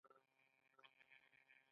موټر مې خراب سوى و.